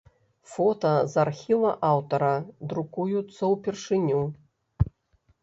Фота з архіва аўтара, друкуюцца ўпершыню.